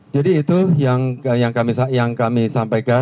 jadi itu yang kami sampaikan